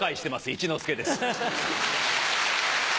一之輔です。